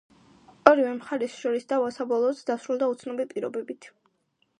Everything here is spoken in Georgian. ორივე მხარეს შორის დავა საბოლოოდ დასრულდა, უცნობი პირობებით.